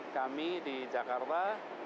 kami di jakarta